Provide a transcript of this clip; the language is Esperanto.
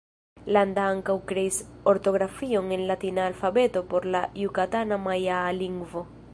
Landa ankaŭ kreis ortografion en latina alfabeto por la jukatana majaa lingvo.